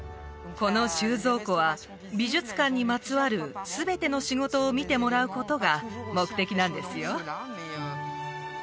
この収蔵庫は美術館にまつわる全ての仕事を見てもらうことが目的なんですよ